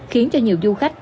khiến cho nhiều du khách